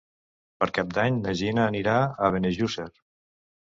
Per Cap d'Any na Gina anirà a Benejússer.